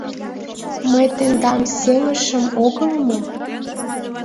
Мый тендам сеҥышым огыл мо?